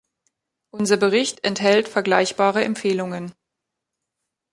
Unser Bericht enthält vergleichbare Empfehlungen.